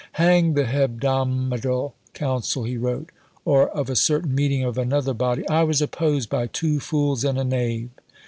"Hang the Hebdomadal Council," he wrote; or, of a certain meeting of another body, "I was opposed by two fools and a knave."